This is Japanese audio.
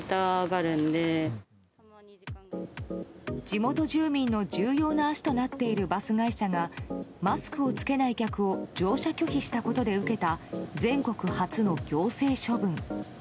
地元住民の重要な足となっているバス会社がマスクを着けない客を乗車拒否したことで受けた全国初の行政処分。